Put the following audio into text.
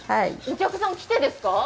お客さん、来てですか？